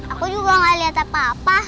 aku juga gak lihat apa apa